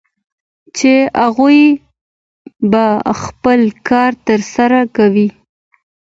چې هغوی به خپل کار ترسره کوي